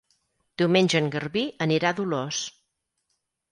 Diumenge en Garbí anirà a Dolors.